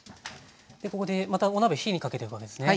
ここでまたお鍋火にかけていくわけですね。